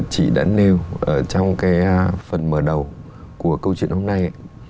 chỉ đã nêu trong phần mở đầu của câu chuyện hôm nay